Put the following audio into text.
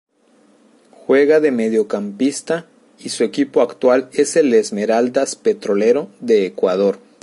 Juega de Mediocampista y su equipo actual es el Esmeraldas Petrolero de Ecuador.